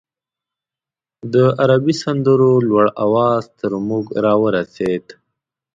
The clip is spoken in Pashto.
د عربي سندرو لوړ اواز تر موږ راورسېد.